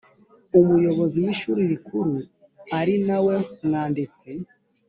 umuyobozi w ishuri rikuru ari nawe mwanditsi